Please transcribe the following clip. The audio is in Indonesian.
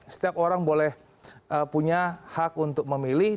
karena orang orang boleh punya hak untuk memilih